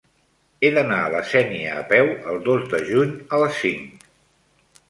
He d'anar a la Sénia a peu el dos de juny a les cinc.